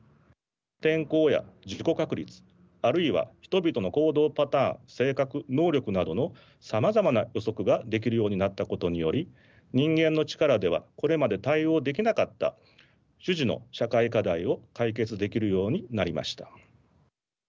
天候や事故確率あるいは人々の行動パターン性格能力などのさまざまな予測ができるようになったことにより人間の力ではこれまで対応できなかった種々の社会課題を解決できるようになりました。